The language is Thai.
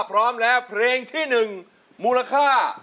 ถ้าพร้อมแล้วเพลงที่หนึ่งมูลค่า